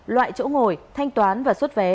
loại chỗ ngồi thanh toán và xuất vé